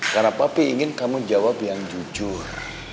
karena papi ingin kamu jawab yang jujur